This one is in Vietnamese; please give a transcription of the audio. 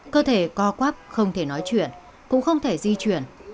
cơ thể co quắp không thể nói chuyện cũng không thể di chuyển